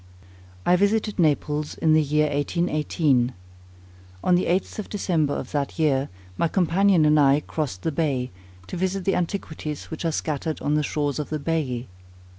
I visited Naples in the year 1818. On the 8th of December of that year, my companion and I crossed the Bay, to visit the antiquities which are scattered on the shores of Baiæ.